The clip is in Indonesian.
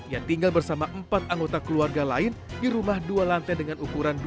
yang tinggal bersama empat anggota keluarga lain di rumah dua lantai dengan ukuran dua x tiga meter